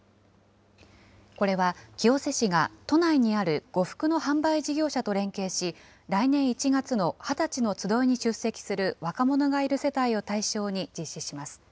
これは清瀬市が、都内にある呉服の販売事業者と連携し、来年１月の２０歳のつどいに参加する若者がいる世帯を対象に実施します。